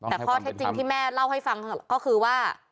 แต่ข้อเท็จจริงที่แม่เล่าให้ฟังก็คือว่า